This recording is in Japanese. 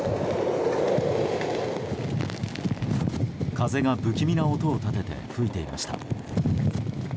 風が不気味な音を立てて吹いていました。